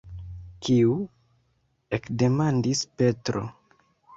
Kiu? ekdemandis Petro.